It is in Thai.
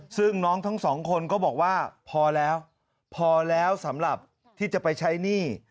ซึ่งน้องทั้งสองคนก็บอกว่าพอแล้วพอแล้วสำหรับที่จะไปใช้หนี้